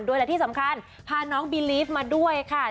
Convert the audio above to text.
และที่สำคัญพาน้องบีลีฟมาด้วยค่ะ